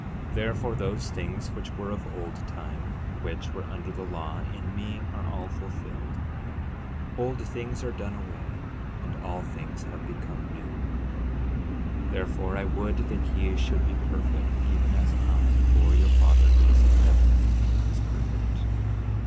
12:46 Therefore those things which were of old time, which were under the law, in me are all fulfilled. 12:47 Old things are done away, and all things have become new. 12:48 Therefore I would that ye should be perfect even as I, or your Father who is in heaven is perfect.